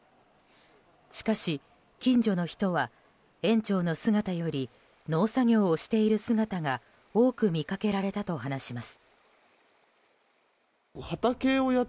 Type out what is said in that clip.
しかし、近所の人は園長の姿より農作業をしている姿が多く見かけられたと話します。